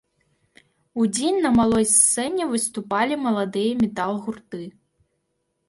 Удзень на малой сцэне выступалі маладыя метал-гурты.